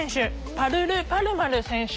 パルル・パルマル選手